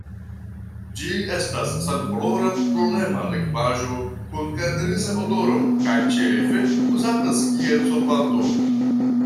Ĝi estas senkolora, brulema likvaĵo kun karakteriza odoro kaj ĉefe uzatas kiel solvanto.